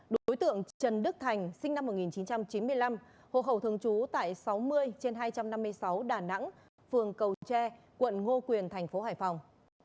đối tượng trần đức thành sinh năm một nghìn chín trăm chín mươi năm hộ khẩu thường trú tại sáu mươi trên hai trăm năm mươi sáu đà nẵng phường cầu tre quận ngô quyền thành phố hải phòng